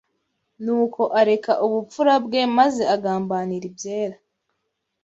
Nuko areka ubupfura bwe maze agambanira ibyera